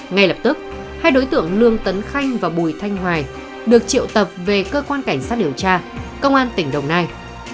ngay lập tức hai đối tượng lương tấn khanh và bùi thanh hoài được triệu tập về cơ quan cảnh sát điều tra công an tỉnh đồng nai